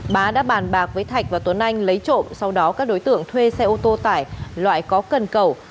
bá đã bàn bạc với thạch và tuấn anh lấy trộm sau đó các đối tượng thuê xe ô tô tải loại có cần cầu